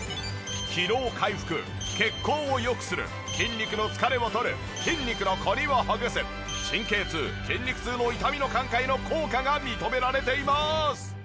疲労回復血行を良くする筋肉の疲れをとる筋肉のコリをほぐす神経痛・筋肉痛の痛みの緩解の効果が認められています。